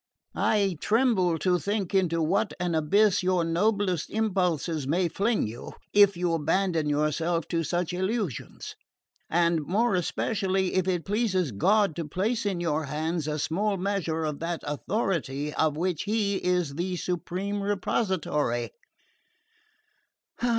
I tremble to think into what an abyss your noblest impulses may fling you, if you abandon yourself to such illusions; and more especially if it pleases God to place in your hands a small measure of that authority of which He is the supreme repository.